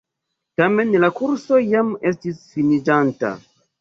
Tamen la kurso jam estis finiĝanta.